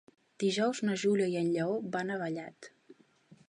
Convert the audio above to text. Dijous na Júlia i en Lleó van a Vallat.